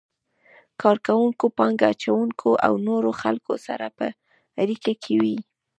کار کوونکو، پانګه اچونکو او نورو خلکو سره په اړیکه کې وي.